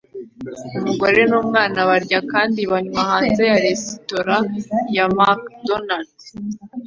Umugore n'umwana barya kandi banywa hanze ya resitora ya McDonald